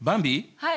はい。